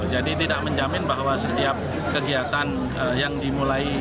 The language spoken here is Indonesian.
jadi tidak menjamin bahwa setiap kegiatan yang dimulai